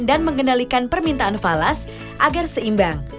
dan mengendalikan permintaan falas agar seimbang